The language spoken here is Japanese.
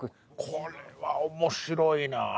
これは面白いな。